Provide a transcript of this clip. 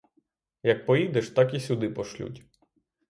Як поїдеш, так і сюди пошлють.